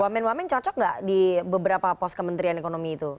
wamen wamen cocok nggak di beberapa pos kementerian ekonomi itu